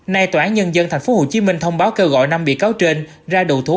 nay tòa án nhân dân tp hcm thông báo kêu gọi năm bị cáo trên ra đồ thú